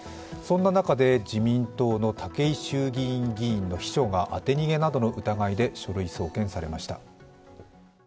そんな中で自民党の武井衆議院議員の秘書が当て逃げなどの疑いで書類送検されました。